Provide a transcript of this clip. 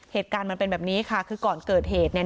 เหตุการณ์มันเป็นแบบนี้ค่ะคือก่อนเกิดเหตุเนี่ย